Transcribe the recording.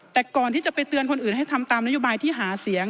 แต่ก่อนที่จะไปเตือนคนอื่นให้ทำตามนโยบายที่หาเสียง